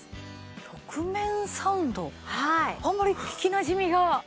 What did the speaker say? あんまり聞きなじみが。